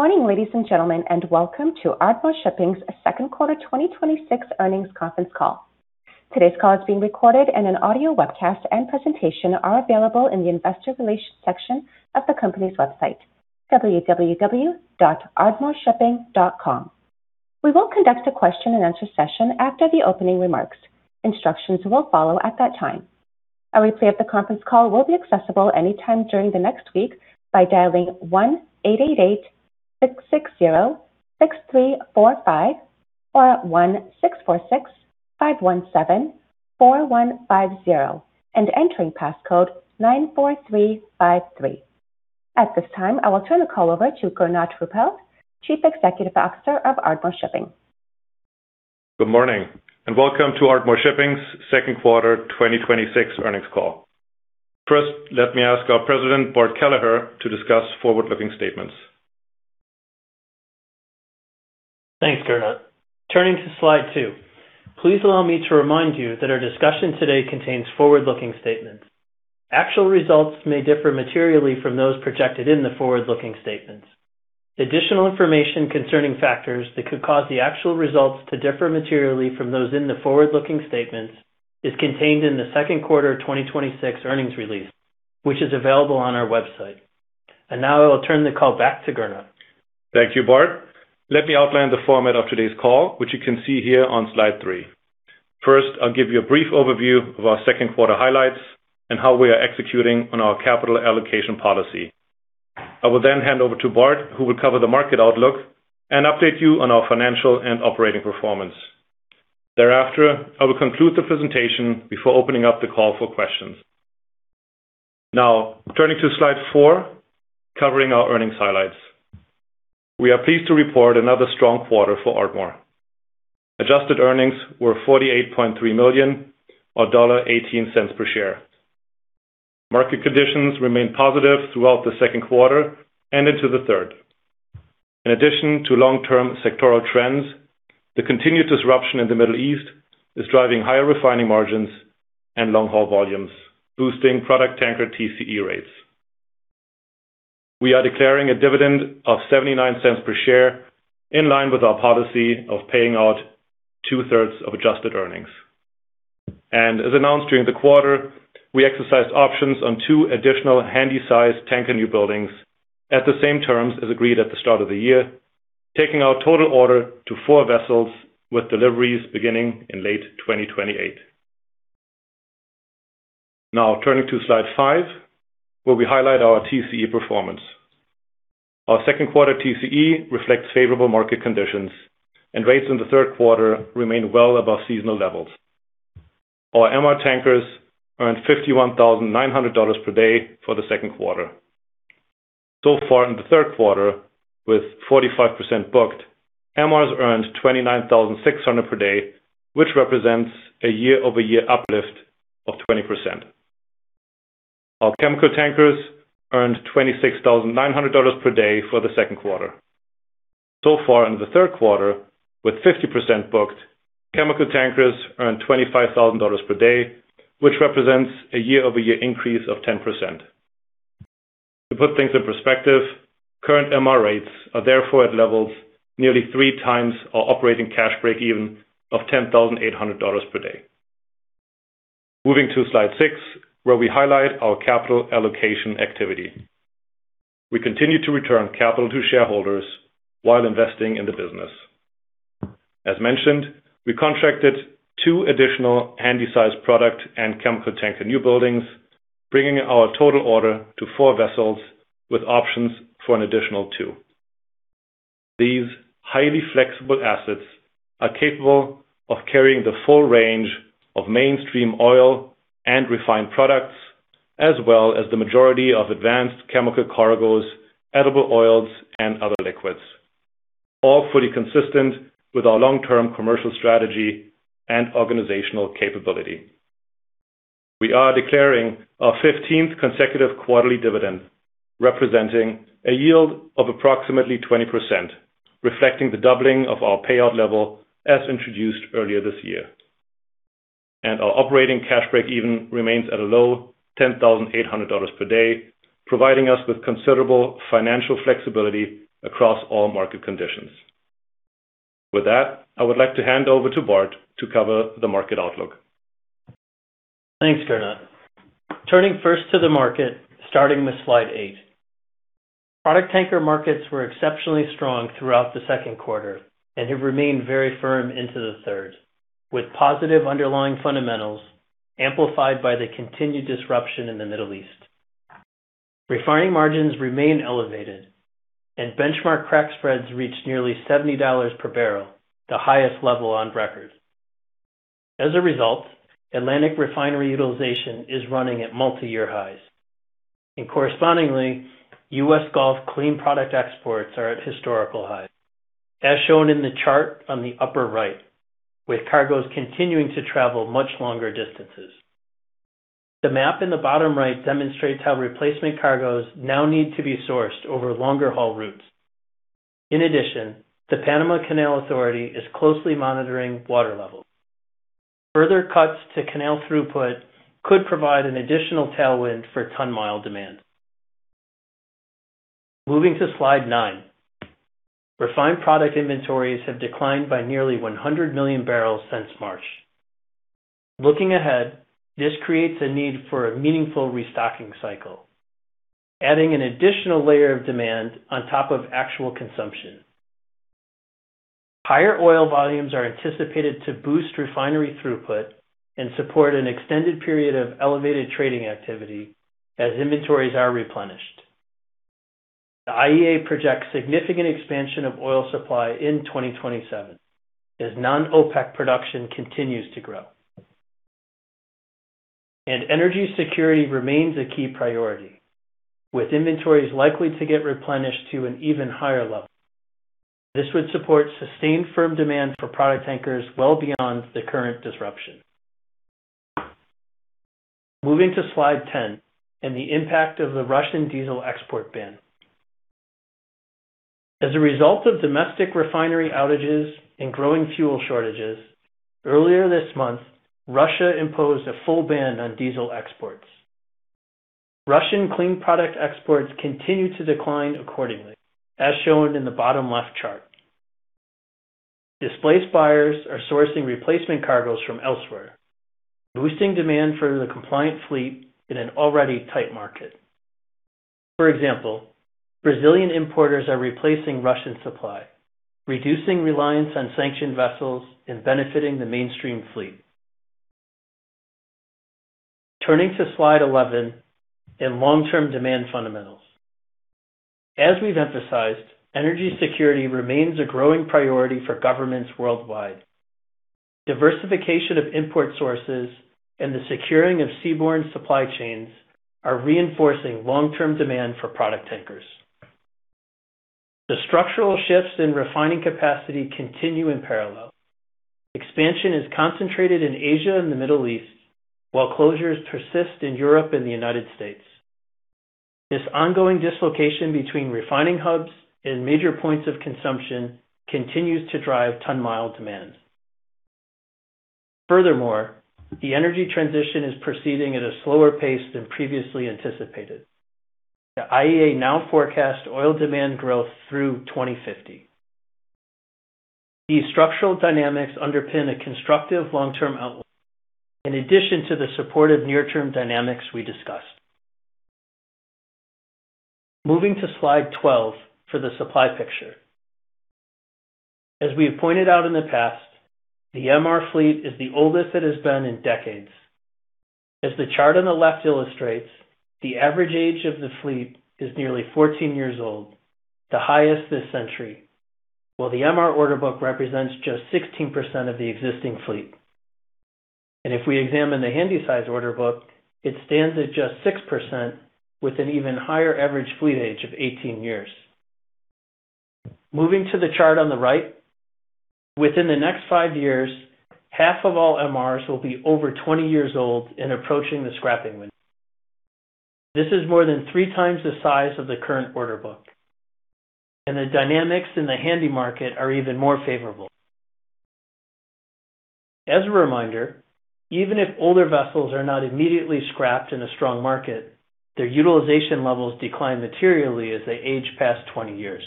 Good morning, ladies and gentlemen, and welcome to Ardmore Shipping's second quarter 2026 earnings conference call. Today's call is being recorded and an audio webcast and presentation are available in the investor relations section of the company's website, www.ardmoreshipping.com. We will conduct a question and answer session after the opening remarks. Instructions will follow at that time. A replay of the conference call will be accessible any time during the next week by dialing 1-888-660-6345 or 1-646-517-4150 and entering passcode 94353. At this time, I will turn the call over to Gernot Ruppelt, Chief Executive Officer of Ardmore Shipping. Good morning, welcome to Ardmore Shipping's second quarter 2026 earnings call. First, let me ask our President, Bart Kelleher, to discuss forward-looking statements. Thanks, Gernot. Turning to slide two. Please allow me to remind you that our discussion today contains forward-looking statements. Actual results may differ materially from those projected in the forward-looking statements. Additional information concerning factors that could cause the actual results to differ materially from those in the forward-looking statements is contained in the second quarter 2026 earnings release, which is available on our website. Now I will turn the call back to Gernot. Thank you, Bart. Let me outline the format of today's call, which you can see here on slide three. First, I'll give you a brief overview of our second quarter highlights and how we are executing on our capital allocation policy. I will then hand over to Bart, who will cover the market outlook and update you on our financial and operating performance. Thereafter, I will conclude the presentation before opening up the call for questions. Now, turning to slide four, covering our earnings highlights. We are pleased to report another strong quarter for Ardmore. Adjusted earnings were $48.3 million, or $1.18 per share. Market conditions remained positive throughout the second quarter and into the third. In addition to long-term sectoral trends, the continued disruption in the Middle East is driving higher refining margins and long-haul volumes, boosting product tanker TCE rates. We are declaring a dividend of $0.79 per share, in line with our policy of paying out two-thirds of adjusted earnings. As announced during the quarter, we exercised options on two additional Handysize tanker new buildings at the same terms as agreed at the start of the year, taking our total order to four vessels, with deliveries beginning in late 2028. Turning to slide five, where we highlight our TCE performance. Our second quarter TCE reflects favorable market conditions and rates in the third quarter remain well above seasonal levels. Our MR tankers earned $51,900 per day for the second quarter. So far in the third quarter, with 45% booked, MRs earned $29,600 per day, which represents a year-over-year uplift of 20%. Our chemical tankers earned $26,900 per day for the second quarter. So far in the third quarter, with 50% booked, chemical tankers earned $25,000 per day, which represents a year-over-year increase of 10%. To put things in perspective, current MR rates are therefore at levels nearly 3x our operating cash breakeven of $10,800 per day. Moving to slide six, where we highlight our capital allocation activity. We continue to return capital to shareholders while investing in the business. As mentioned, we contracted two additional Handysize product and chemical tanker new buildings, bringing our total order to four vessels, with options for an additional two. These highly flexible assets are capable of carrying the full range of mainstream oil and refined products, as well as the majority of advanced chemical cargoes, edible oils, and other liquids, all fully consistent with our long-term commercial strategy and organizational capability. We are declaring our 15th consecutive quarterly dividend, representing a yield of approximately 20%, reflecting the doubling of our payout level as introduced earlier this year. Our operating cash breakeven remains at a low $10,800 per day, providing us with considerable financial flexibility across all market conditions. With that, I would like to hand over to Bart to cover the market outlook. Thanks, Gernot. Turning first to the market, starting with slide eight. Product tanker markets were exceptionally strong throughout the second quarter and have remained very firm into the third, with positive underlying fundamentals amplified by the continued disruption in the Middle East. Refining margins remain elevated and benchmark crack spreads reached nearly $70 per barrel, the highest level on record. As a result, Atlantic refinery utilization is running at multi-year highs. Correspondingly, U.S. Gulf clean product exports are at historical highs, as shown in the chart on the upper right, with cargoes continuing to travel much longer distances. The map in the bottom right demonstrates how replacement cargoes now need to be sourced over longer haul routes. In addition, the Panama Canal Authority is closely monitoring water levels. Further cuts to canal throughput could provide an additional tailwind for ton-mile demand. Moving to slide nine. Refined product inventories have declined by nearly 100 million barrels since March. Looking ahead, this creates a need for a meaningful restocking cycle, adding an additional layer of demand on top of actual consumption. Higher oil volumes are anticipated to boost refinery throughput and support an extended period of elevated trading activity as inventories are replenished. The IEA projects significant expansion of oil supply in 2027 as non-OPEC production continues to grow. Energy security remains a key priority, with inventories likely to get replenished to an even higher level. This would support sustained firm demand for product tankers well beyond the current disruption. Moving to slide 10 and the impact of the Russian diesel export ban. As a result of domestic refinery outages and growing fuel shortages, earlier this month, Russia imposed a full ban on diesel exports. Russian clean product exports continue to decline accordingly, as shown in the bottom left chart. Displaced buyers are sourcing replacement cargoes from elsewhere, boosting demand for the compliant fleet in an already tight market. For example, Brazilian importers are replacing Russian supply, reducing reliance on sanctioned vessels and benefiting the mainstream fleet. Turning to slide 11 and long-term demand fundamentals. As we've emphasized, energy security remains a growing priority for governments worldwide. Diversification of import sources and the securing of seaborne supply chains are reinforcing long-term demand for product tankers. The structural shifts in refining capacity continue in parallel. Expansion is concentrated in Asia and the Middle East, while closures persist in Europe and the U.S. This ongoing dislocation between refining hubs and major points of consumption continues to drive ton-mile demand. The energy transition is proceeding at a slower pace than previously anticipated. The IEA now forecasts oil demand growth through 2050. These structural dynamics underpin a constructive long-term outlook in addition to the supportive near-term dynamics we discussed. Moving to slide 12 for the supply picture. As we have pointed out in the past, the MR fleet is the oldest it has been in decades. As the chart on the left illustrates, the average age of the fleet is nearly 14 years old, the highest this century, while the MR order book represents just 16% of the existing fleet. If we examine the Handysize order book, it stands at just 6% with an even higher average fleet age of 18 years. Moving to the chart on the right, within the next five years, half of all MRs will be over 20 years old and approaching the scrapping window. This is more than 3x the size of the current order book, the dynamics in the Handy market are even more favorable. As a reminder, even if older vessels are not immediately scrapped in a strong market, their utilization levels decline materially as they age past 20 years.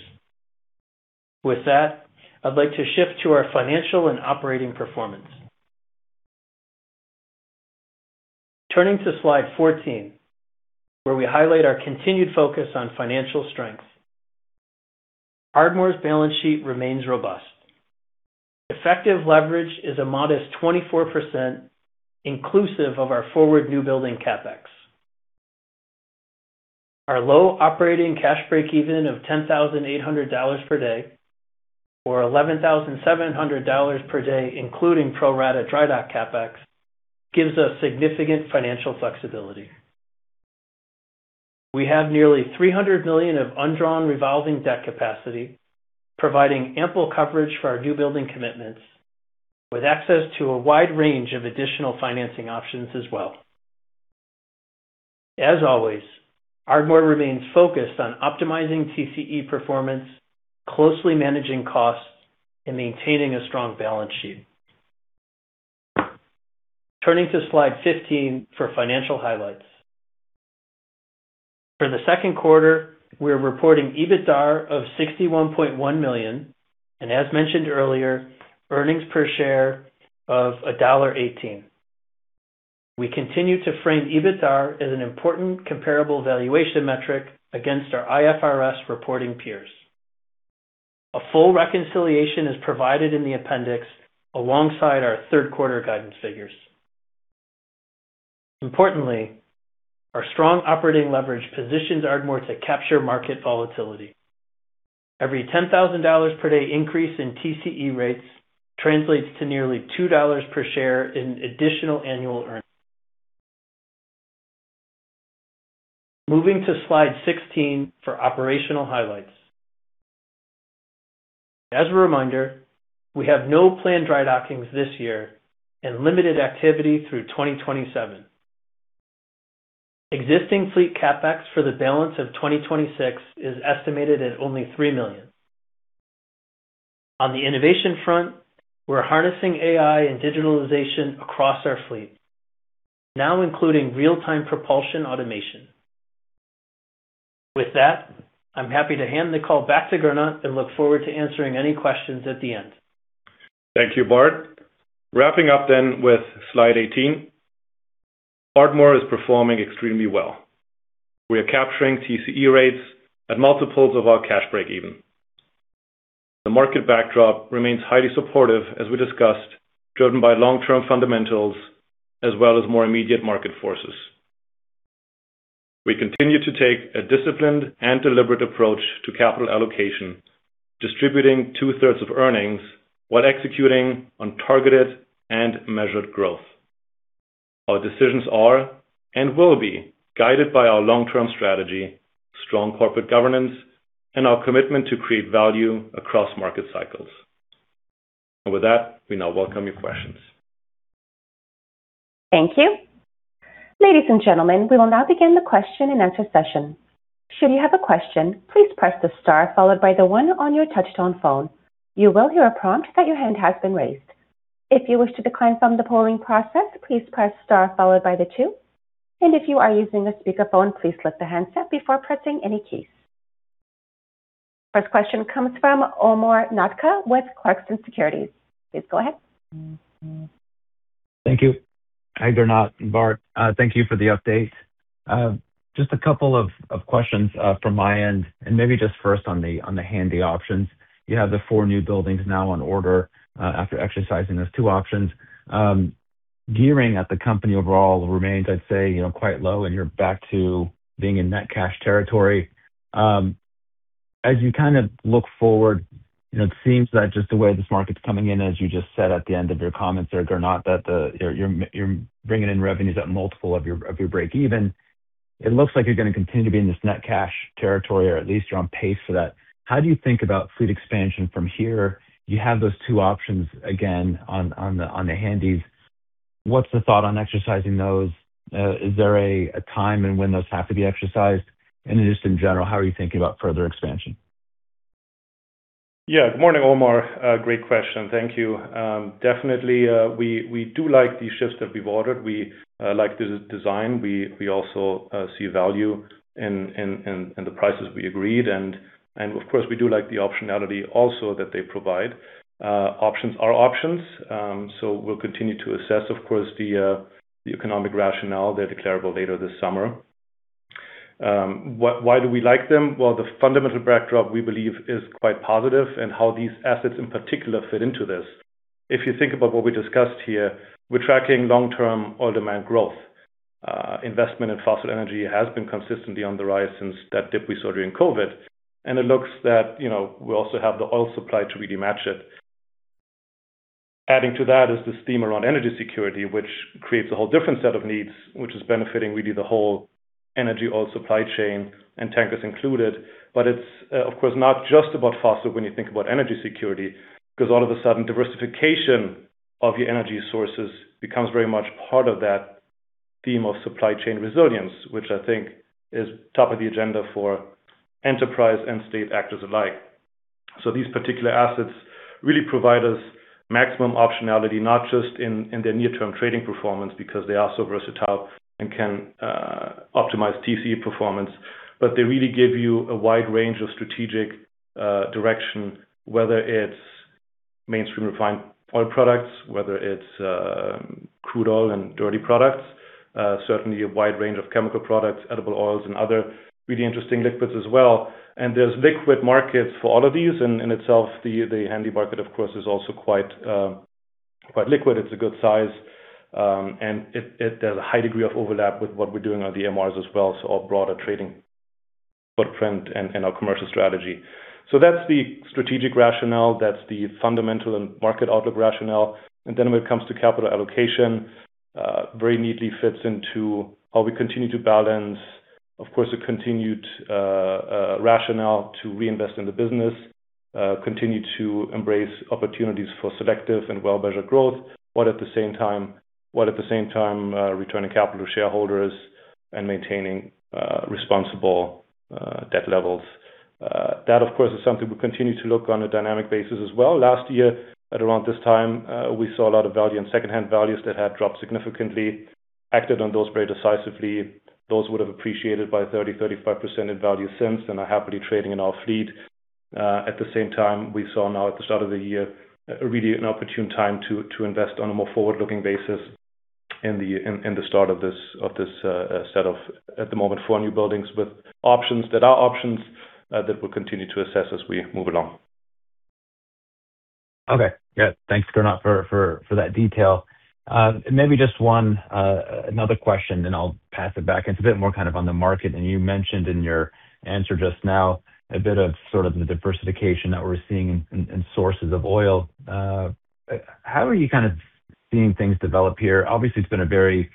With that, I'd like to shift to our financial and operating performance. Turning to slide 14, where we highlight our continued focus on financial strength. Ardmore's balance sheet remains robust. Effective leverage is a modest 24% inclusive of our forward new building CapEx. Our low operating cash break-even of $10,800 per day or $11,700 per day, including pro rata dry dock CapEx, gives us significant financial flexibility. We have nearly $300 million of undrawn revolving debt capacity, providing ample coverage for our new building commitments with access to a wide range of additional financing options as well. As always, Ardmore remains focused on optimizing TCE performance, closely managing costs, and maintaining a strong balance sheet. Turning to slide 15 for financial highlights. For the second quarter, we're reporting EBITDAR of $61.1 million, and as mentioned earlier, earnings per share of $1.18. We continue to frame EBITDAR as an important comparable valuation metric against our IFRS reporting peers. A full reconciliation is provided in the appendix alongside our third-quarter guidance figures. Importantly, our strong operating leverage positions Ardmore to capture market volatility. Every $10,000 per day increase in TCE rates translates to nearly $2 per share in additional annual earnings. Moving to slide 16 for operational highlights. As a reminder, we have no planned dry dockings this year and limited activity through 2027. Existing fleet CapEx for the balance of 2026 is estimated at only $3 million. On the innovation front, we're harnessing AI and digitalization across our fleet, now including real-time propulsion automation. With that, I'm happy to hand the call back to Gernot and look forward to answering any questions at the end. Thank you, Bart. Wrapping up then with slide 18. Ardmore is performing extremely well. We are capturing TCE rates at multiples of our cash breakeven. The market backdrop remains highly supportive as we discussed, driven by long-term fundamentals as well as more immediate market forces. We continue to take a disciplined and deliberate approach to capital allocation, distributing two-thirds of earnings while executing on targeted and measured growth. Our decisions are and will be guided by our long-term strategy, strong corporate governance, and our commitment to create value across market cycles. With that, we now welcome your questions. Thank you. Ladies and gentlemen, we will now begin the question and answer session. Should you have a question, please press the star followed by the one on your touch-tone phone. You will hear a prompt that your hand has been raised. If you wish to decline from the polling process, please press star followed by the two. If you are using a speakerphone, please lift the handset before pressing any keys. First question comes from Omar Nokta with Clarksons Securities. Please go ahead. Thank you. Hi, Gernot and Bart. Thank you for the update. Just a couple of questions from my end, and maybe just first on the handy options. You have the four new buildings now on order after exercising those two options. Gearing at the company overall remains, I'd say, quite low and you're back to being in net cash territory. As you look forward, it seems that just the way this market's coming in, as you just said at the end of your comments there, Gernot, that you're bringing in revenues at multiple of your breakeven. It looks like you're going to continue to be in this net cash territory, or at least you're on pace for that. How do you think about fleet expansion from here? You have those two options again on the handys. What's the thought on exercising those? Is there a time in when those have to be exercised? Just in general, how are you thinking about further expansion? Good morning, Omar. Great question. Thank you. Definitely, we do like these ships that we've ordered. We like the design. We also see value in the prices we agreed. Of course, we do like the optionality also that they provide. Options are options, so we'll continue to assess, of course, the economic rationale. They're declarable later this summer. Why do we like them? Well, the fundamental backdrop, we believe, is quite positive and how these assets in particular fit into this. If you think about what we discussed here, we're tracking long-term oil demand growth. Investment in fossil energy has been consistently on the rise since that dip we saw during COVID. It looks that we also have the oil supply to really match it. Adding to that is this theme around energy security, which creates a whole different set of needs, which is benefiting really the whole energy oil supply chain and tankers included. It's, of course, not just about fossil when you think about energy security, because all of a sudden, diversification of your energy sources becomes very much part of that theme of supply chain resilience, which I think is top of the agenda for enterprise and state actors alike. These particular assets really provide us maximum optionality, not just in their near-term trading performance because they are so versatile and can optimize TCE performance, but they really give you a wide range of strategic direction, whether it's mainstream refined oil products, whether it's crude oil and dirty products. Certainly, a wide range of chemical products, edible oils, and other really interesting liquids as well. There's liquid markets for all of these. In itself, the Handy market, of course, is also quite liquid. It's a good size. There's a high degree of overlap with what we're doing on the MRs as well, so our broader trading footprint and our commercial strategy. That's the strategic rationale, that's the fundamental and market outlook rationale. When it comes to capital allocation, very neatly fits into how we continue to balance, of course, a continued rationale to reinvest in the business, continue to embrace opportunities for selective and well-measured growth. At the same time, returning capital to shareholders and maintaining responsible debt levels. That, of course, is something we continue to look on a dynamic basis as well. Last year, at around this time, we saw a lot of value in secondhand values that had dropped significantly, acted on those very decisively. Those would have appreciated by 30%-35% in value since and are happily trading in our fleet. At the same time, we saw now at the start of the year, really an opportune time to invest on a more forward-looking basis in the start of this set of, at the moment, four new buildings with options that are options that we'll continue to assess as we move along. Okay. Good. Thanks, Gernot, for that detail. Maybe just one another question, then I'll pass it back. It's a bit more on the market, and you mentioned in your answer just now a bit of sort of the diversification that we're seeing in sources of oil. How are you kind of seeing things develop here? Obviously, it's been a very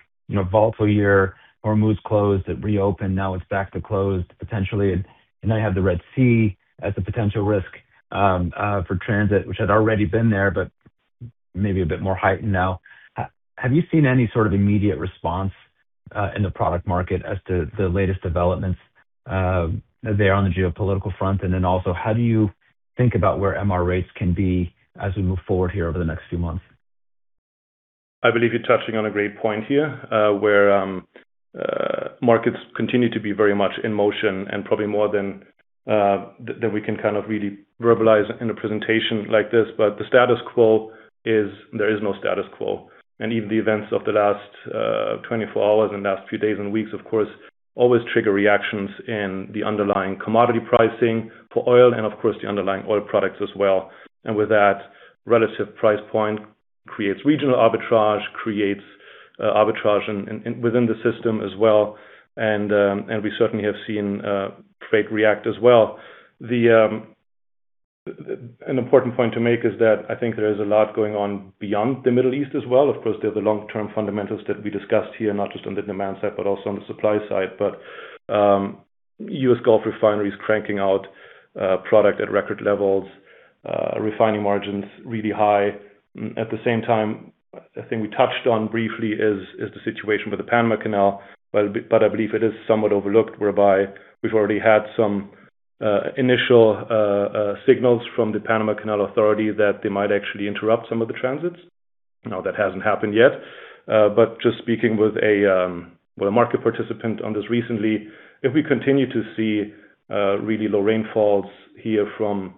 volatile year. Hormuz closed, it reopened, now it's back to closed potentially. Now you have the Red Sea as a potential risk for transit, which had already been there, but maybe a bit more heightened now. Have you seen any sort of immediate response in the product market as to the latest developments there on the geopolitical front? Also, how do you think about where MR rates can be as we move forward here over the next few months? I believe you're touching on a great point here, where markets continue to be very much in motion and probably more than we can really verbalize in a presentation like this. The status quo is there is no status quo, and even the events of the last 24 hours and last few days and weeks, of course, always trigger reactions in the underlying commodity pricing for oil and, of course, the underlying oil products as well. With that, relative price point creates regional arbitrage, creates arbitrage within the system as well, and we certainly have seen freight react as well. An important point to make is that I think there is a lot going on beyond the Middle East as well. Of course, there are the long-term fundamentals that we discussed here, not just on the demand side, but also on the supply side. U.S. Gulf refineries cranking out product at record levels, refining margins really high. At the same time, a thing we touched on briefly is the situation with the Panama Canal. I believe it is somewhat overlooked, whereby we've already had some initial signals from the Panama Canal Authority that they might actually interrupt some of the transits. That hasn't happened yet. Just speaking with a market participant on this recently, if we continue to see really low rainfalls here from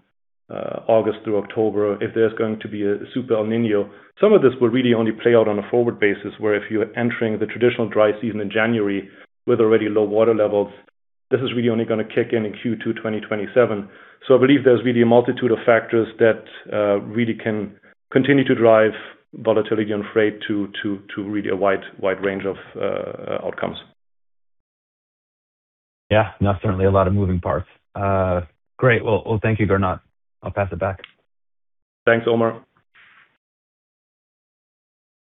August through October, if there's going to be a super El Niño, some of this will really only play out on a forward basis, where if you're entering the traditional dry season in January with already low water levels, this is really only going to kick in in Q2 2027. I believe there's really a multitude of factors that really can continue to drive volatility and freight to really a wide range of outcomes. Yeah. No, certainly a lot of moving parts. Great. Well, thank you, Gernot. I'll pass it back. Thanks, Omar.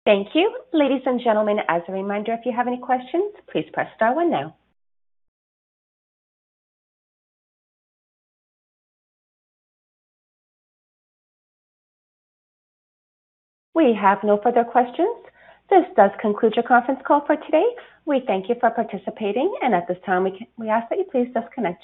Thank you. Ladies and gentlemen, as a reminder, if you have any questions, please press star one now. We have no further questions. This does conclude your conference call for today. We thank you for participating, and at this time, we ask that you please disconnect your lines